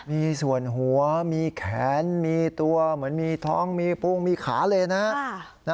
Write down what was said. มีส่วนหัวมีแขนมีตัวเหมือนมีท้องมีฟูงมีขาเลยนะ